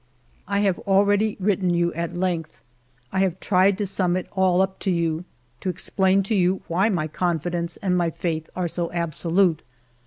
" I have already written you at length. I have 232 FIVE YEARS OF MY LIFE tried to sum it all up to you, to explain to you why my confidence and my faith are so absolute.